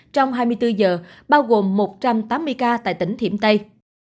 trong hai mươi bốn giờ bao gồm một trăm tám mươi ca tại tỉnh thiểm tây